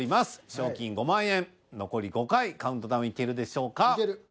賞金５万円残り５回カウントダウンいけるでしょうか。